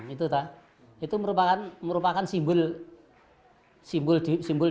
itu merupakan simbol dari kemanusiaan